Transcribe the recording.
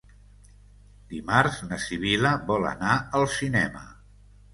Dimarts na Sibil·la vol anar al cinema.